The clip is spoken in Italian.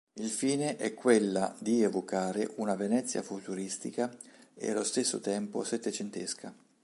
Il fine è quella di evocare una Venezia futuristica e allo stesso tempo settecentesca.